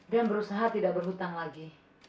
dan berusaha tidak berhutang lagi